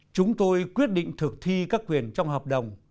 chúng tôi quyết định thực thi các quyền trong hợp đồng